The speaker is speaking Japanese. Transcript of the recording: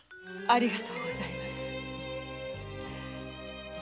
ありがとうございますあなた。